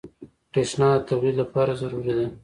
بریښنا د تولید لپاره ضروري ده.